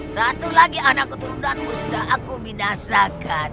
satu lagi anak keturunanmu sudah aku binasakan